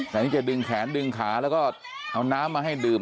แต่นี่จะดึงแขนดึงขาแล้วก็เอาน้ำมาให้ดื่ม